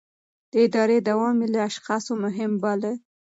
د ادارې دوام يې له اشخاصو مهم باله.